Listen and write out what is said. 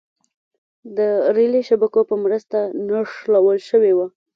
د رېلي شبکو په مرسته نښلول شوې وه.